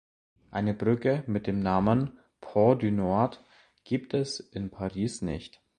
Eine Brücke mit dem Namen Pont du Nord gibt es in Paris nicht.